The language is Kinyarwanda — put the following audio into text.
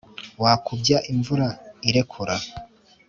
wakubya imvura ikerura